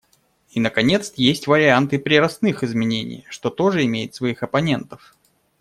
И наконец, есть и вариант приростных изменений, что тоже имеет своих оппонентов.